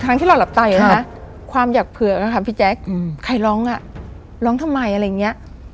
ทางที่เราหลับใจนะฮะความอยากเผื่อนะคะพี่แจ็คใครร้องอ่ะร้องทำไมอะไรงี้